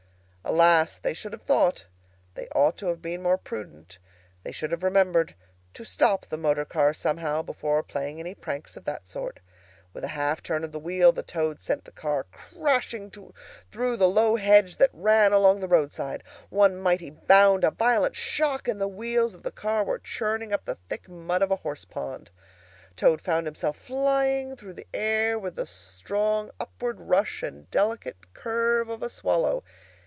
Alas! they should have thought, they ought to have been more prudent, they should have remembered to stop the motor car somehow before playing any pranks of that sort. With a half turn of the wheel the Toad sent the car crashing through the low hedge that ran along the roadside. One mighty bound, a violent shock, and the wheels of the car were churning up the thick mud of a horse pond. Toad found himself flying through the air with the strong upward rush and delicate curve of a swallow.